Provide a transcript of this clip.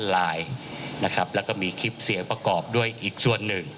แล้วก็มีคลิปเสียงประกอบด้วยอีกส่วนหนึ่ง